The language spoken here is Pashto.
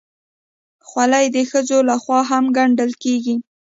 خولۍ د ښځو لخوا هم ګنډل کېږي.